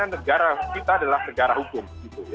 karena negara kita adalah negara hukum